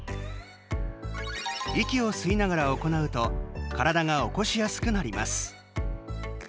息を吸いながら行うと体が起こしやすくなります。